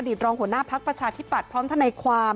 อดีตรองหัวหน้าภักดิ์ประชาธิบัตรพร้อมท่านในความ